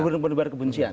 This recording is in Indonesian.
grup grup penebar kebencian